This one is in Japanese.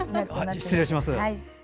失礼します。